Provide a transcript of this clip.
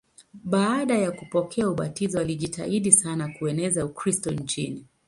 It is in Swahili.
Baada ya kupokea ubatizo alijitahidi sana kueneza Ukristo nchini.